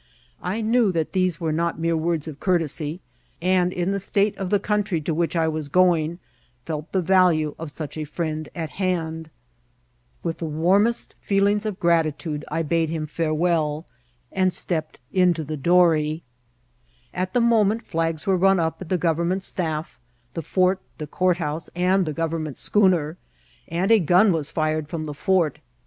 I knew that these were not mere words of courtesy, and, in the state of the country to which I was going, felt the value of such a friend at hand. With the warmest feelings of gratitude I bade him farewell, and stepped HONOXTBS ACCUHULATIMO. SS into the dory. At the moment flags were nm up ml the govermnent staff, the fort, the courthouse, and the government schooner, and a gun was fired from the fort.